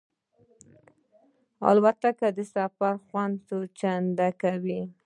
الوتکه د سفر خوند څو چنده کوي.